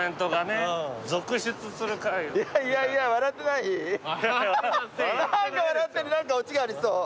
何か笑ってる何かオチがありそう。